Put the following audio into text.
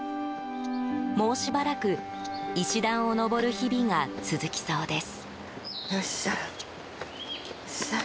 もうしばらく石段を上る日々が続きそうです。